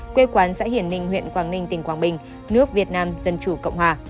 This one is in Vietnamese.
quê quán xã hiển ninh huyện quảng ninh tỉnh quảng bình nước việt nam dân chủ cộng hòa